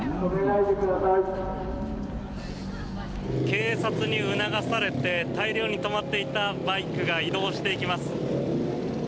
警察に促されて大量に止まっていたバイクが移動していきます。